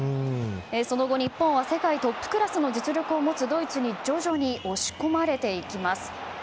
その後、日本は世界トップクラスの実力を持つドイツに徐々に押し込まれていきます。